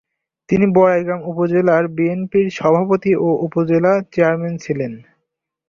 তিনি বড়াইগ্রাম উপজেলা বিএনপির সভাপতি ও উপজেলা চেয়ারম্যান ছিলেন।